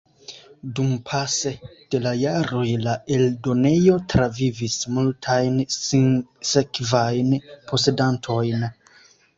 Dumpase de la jaroj la eldonejo travivis multajn sinsekvajn posedantojn.